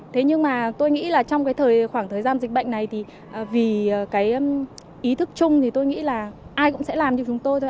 thế nhưng mà tôi nghĩ trong khoảng thời gian dịch bệnh này vì ý thức chung thì tôi nghĩ ai cũng sẽ làm cho chúng tôi thôi ạ